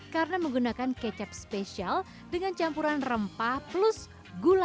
karena menggunakan meincang khas yang disenitii tambahkan rempah pium seusia